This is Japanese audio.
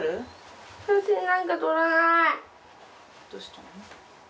どうしたの？